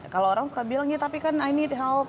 kalau orang suka bilangnya tapi kan i need help